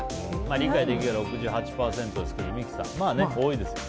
理解できるが６８％ですが三木さん、多いですね。